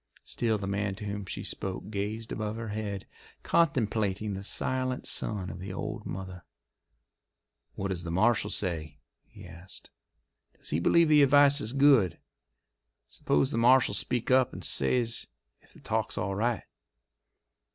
Still the man to whom she spoke gazed above her head, contemplating the silent son of the old mother. "What does the marshal say?" he asked. "Does he believe the advice is good? Suppose the marshal speaks up and says if the talk's all right?"